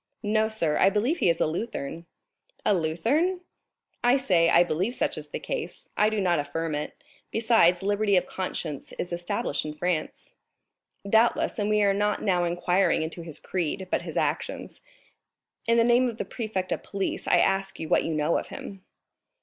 "No, sir; I believe he is a Lutheran." "A Lutheran?" "I say, I believe such is the case, I do not affirm it; besides, liberty of conscience is established in France." "Doubtless, and we are not now inquiring into his creed, but his actions; in the name of the prefect of police, I ask you what you know of him.